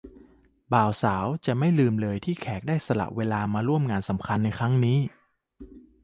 บ่าวสาวจะไม่ลืมเลยที่แขกได้สละเวลามาร่วมงานสำคัญในครั้งนี้